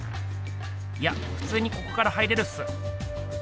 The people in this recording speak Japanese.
いやふつにここから入れるっす。